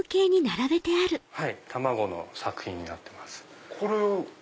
はい卵の作品になってます。